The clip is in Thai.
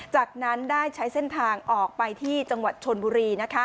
จากนั้นได้ใช้เส้นทางออกไปที่จังหวัดชนบุรี